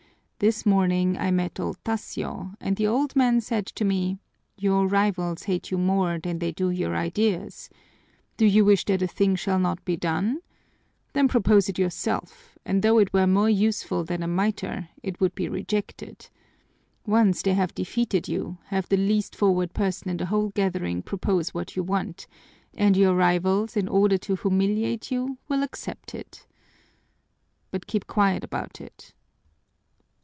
"This morning I met old Tasio and the old man said to me: 'Your rivals hate you more than they do your ideas. Do you wish that a thing shall not be done? Then propose it yourself, and though it were more useful than a miter, it would be rejected. Once they have defeated you, have the least forward person in the whole gathering propose what you want, and your rivals, in order to humiliate you, will accept it.' But keep quiet about it."